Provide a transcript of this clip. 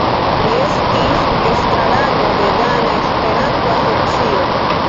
Li estis estrarano de Dana Esperanto Asocio.